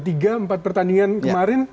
tiga empat pertandingan kemarin